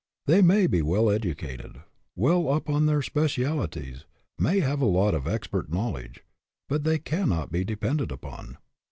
They may be well educated, well up in their specialties, may have a lot of expert knowledge, but they cannot be depended upon.